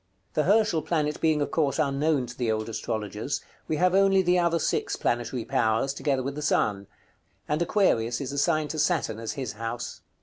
The Herschel planet being of course unknown to the old astrologers, we have only the other six planetary powers, together with the sun; and Aquarius is assigned to Saturn as his house.